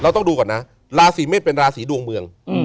ต้องดูก่อนนะราศีเมษเป็นราศีดวงเมือง